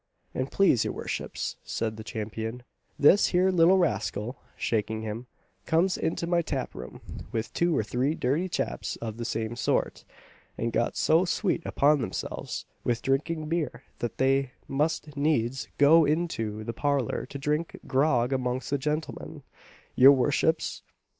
"And please your worships," said the Champion, "this here little rascal (shaking him) comes into my tap room, with two or three dirty chaps of the same sort, and got so sweet upon themselves with drinking beer, that they must needs go into the parlour to drink grog amongst the gentlemen, your worships!